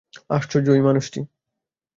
আশ্চর্য ঐ মানুষটি।